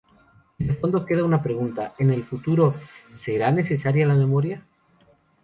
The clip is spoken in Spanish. Y de fondo queda una pregunta: en el futuro, ¿será necesaria la memoria?